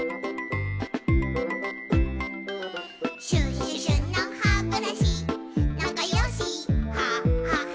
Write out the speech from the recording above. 「シュシュシュのハブラシなかよしハハハ」